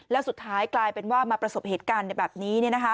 แล้วสุดท้ายกลายเป็นว่ามาประสบเหตุการณ์แบบนี้